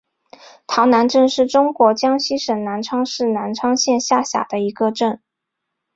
塘南镇是中国江西省南昌市南昌县下辖的一个镇。